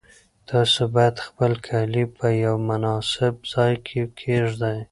تاسو باید خپل کالي په یو مناسب ځای کې کېږدئ.